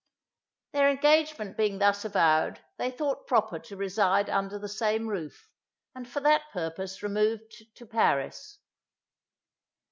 Their engagement being thus avowed, they thought proper to reside under the same roof, and for that purpose removed to Paris.